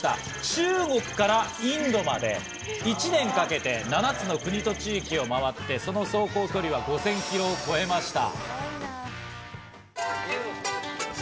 中国からインドまで１年かけて７つの国と地域をまわって走行距離は５０００キロを超えました。